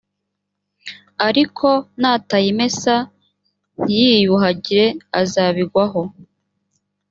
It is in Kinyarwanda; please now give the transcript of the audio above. ariko natayimesa ntiyiyuhagire azagibwaho